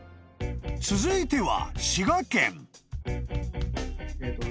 ［続いては］